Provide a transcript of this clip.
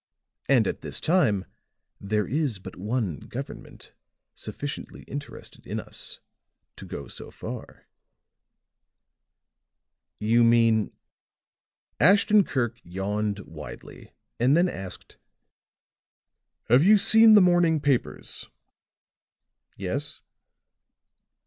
And at this time there is but one government sufficiently interested in us to go so far." "You mean " Ashton Kirk yawned widely and then asked: "Have you seen the morning papers?" "Yes."